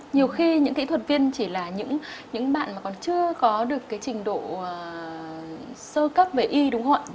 nhiều khi những kỹ thuật viên chỉ là những bạn mà còn chưa có được cái trình độ sơ cấp về y đúng không ạ